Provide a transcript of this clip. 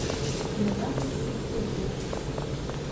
Наиаҭаскит саргьы.